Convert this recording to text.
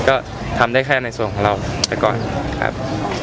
ก็ทำได้แค่ในส่วนของเราไปก่อนครับ